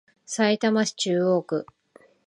さいたま市中央区